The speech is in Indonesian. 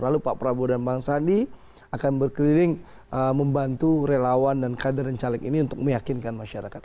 lalu pak prabowo dan bang sandi akan berkeliling membantu relawan dan kader dan caleg ini untuk meyakinkan masyarakat